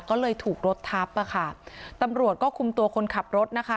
ก็เลยถูกรถทับอ่ะค่ะตำรวจก็คุมตัวคนขับรถนะคะ